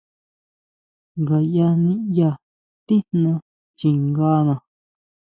Ngaya niʼya tijná chingana.